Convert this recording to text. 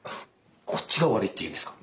こっちが悪いって言うんですか？